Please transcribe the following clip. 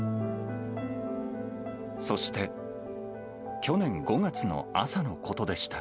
そして去年５月の朝のことでした。